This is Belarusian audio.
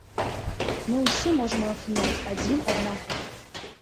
Мы ўсе можам натхняць адзін аднаго.